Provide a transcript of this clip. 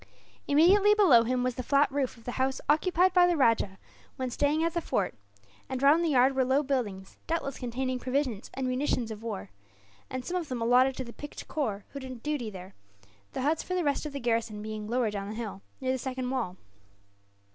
Immediately below him was the flat roof of the house occupied by the rajah, when staying at the fort; and round the yard were low buildings, doubtless containing provisions and munitions of war; and some of them allotted to the picked corps who did duty there, the huts for the rest of the garrison being lower down the hill, near the second wall.